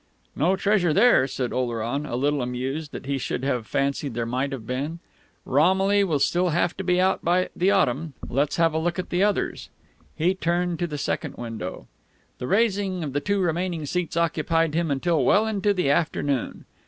"No treasure there," said Oleron, a little amused that he should have fancied there might have been. "Romilly will still have to be out by the autumn. Let's have a look at the others." He turned to the second window. The raising of the two remaining seats occupied him until well into the afternoon.